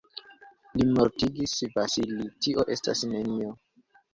Li mortigis Vasili, tio estas nenio.